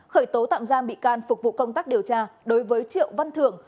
khởi tố tạm giam bị can phục vụ công tác điều tra đối với triệu văn thường